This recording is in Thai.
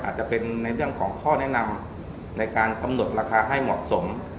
อาจจะเป็นในเรื่องของข้อแนะนำในการกำหนดราคาให้เหมาะสม